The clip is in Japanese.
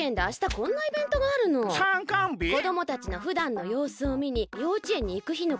こどもたちのふだんのようすをみにようちえんにいくひのこと。